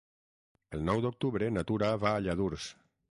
El nou d'octubre na Tura va a Lladurs.